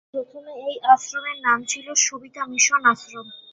প্রথমে এই আশ্রমের নাম ছিল সবিতা মিশন আশ্রম।